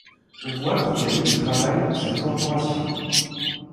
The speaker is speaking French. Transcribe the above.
On voit qu'il y avait du travail pour cette corporation.